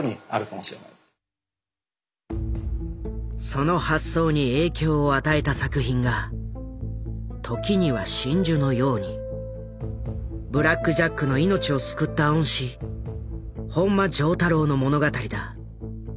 その発想に影響を与えた作品がブラック・ジャックの命を救った恩師本間丈太郎の物語だ。